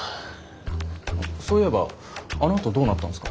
そういえばあのあとどうなったんですか？